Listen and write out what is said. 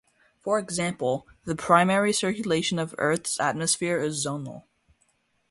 For example, the primary circulation of Earth's atmosphere is zonal.